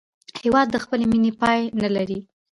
هېواد د خپلې مینې پای نه لري.